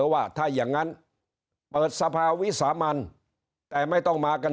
ว่าถ้าอย่างนั้นเปิดสภาวิสามันแต่ไม่ต้องมากัน